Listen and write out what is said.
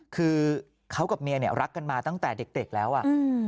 คือเขากับเมียเนี่ยรักกันมาตั้งแต่เด็กแล้วอ่ะ